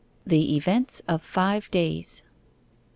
THE EVENTS OF FIVE DAYS 1.